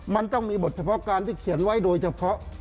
มันต้องมีบทเฉพาะการที่เขียนไว้โดยเฉพาะ